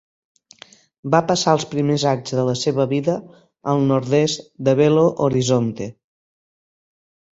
Va passar els primers anys de la seva vida al nord-est de Belo Horizonte.